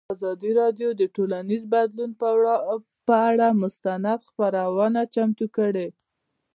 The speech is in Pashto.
ازادي راډیو د ټولنیز بدلون پر اړه مستند خپرونه چمتو کړې.